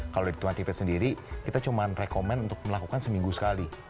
kalau dari tuan tivet sendiri kita cuman rekomen untuk melakukan seminggu sekali